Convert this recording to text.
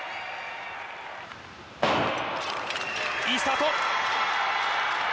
いいスタート。